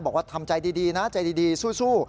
บอกว่าทำใจดีนะใจดีสู้